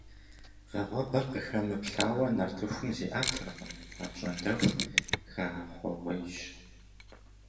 Вагъуэбэр къыхэмыплъауэ нартыхум зиӏэтыркъым, апщӏондэху хэхъуэгъуейщ.